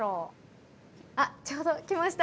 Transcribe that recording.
あっちょうど来ました。